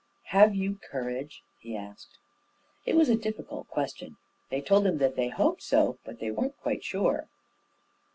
"Have you courage?" he asked. It was a difficult question. They told him that they hoped so, but that they weren't quite sure.